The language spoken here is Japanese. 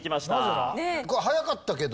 早かったけど。